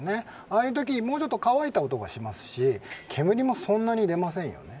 ああいう時はもうちょっと乾いた音がしますし煙もそんなに出ませんよね。